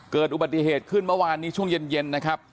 เกิดอุบัติเหตุขึ้นเมื่อวานนี้ช่วงเย็นนะครับ